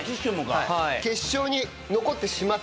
決勝に残ってしまった。